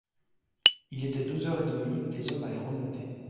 Il était deux heures et demie, les hommes allaient remonter.